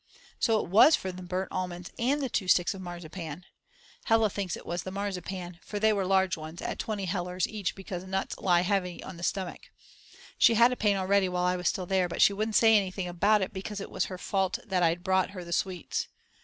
So it was from the burnt almonds and the two sticks of marzipan. Hella thinks it was the marzipan, for they were large ones at 20 hellers each because nuts lie heavy on the stomach. She had a pain already while I was still there, but she wouldn't say anything about it because it was her fault that I'd brought her the sweets.